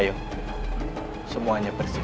kan mau dibakar itu mas haid